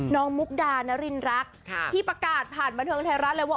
มุกดานรินรักที่ประกาศผ่านบันเทิงไทยรัฐเลยว่า